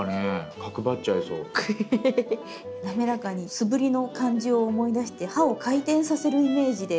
素振りの感じを思い出して刃を回転させるイメージで。